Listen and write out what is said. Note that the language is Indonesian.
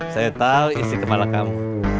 saya tahu isi kepala kamu